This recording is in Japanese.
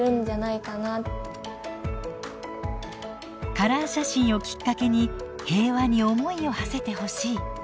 カラー写真をきっかけに平和に思いをはせてほしい。